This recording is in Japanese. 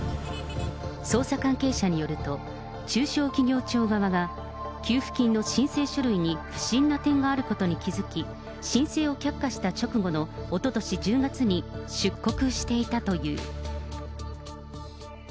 捜査関係者によると、中小企業庁側が給付金の申請書類に不審な点があることに気付き、申請を却下した直後のおととし１０月に出国していたという。